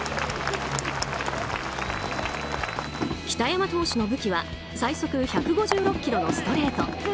北山投手の武器は最速１５６キロのストレート。